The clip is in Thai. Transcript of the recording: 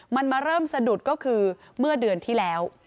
มันมาเริ่มสะดุดก็คือเมื่อเดือนที่แล้ว